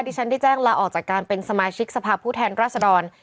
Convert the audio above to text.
ที่ฉันได้แจ้งลาออกจากการเป็นสมาชิกสภาพผู้แทนรัศดร